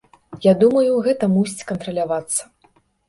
Я думаю, гэта мусіць кантралявацца.